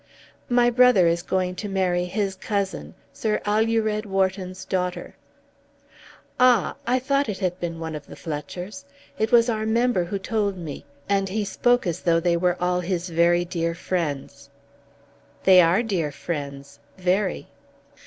"My brother is going to marry his cousin, Sir Alured Wharton's daughter." "Ah; I thought it had been one of the Fletchers. It was our member who told me, and he spoke as though they were all his very dear friends." "They are dear friends, very."